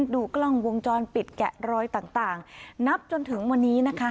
ดูกล้องวงจรปิดแกะรอยต่างนับจนถึงวันนี้นะคะ